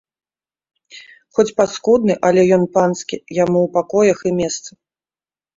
Хоць паскудны, але ён панскі, яму ў пакоях і месца!